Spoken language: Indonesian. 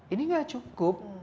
ini gak cukup